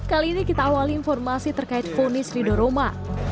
kali ini kita awali informasi terkait fonis rido roma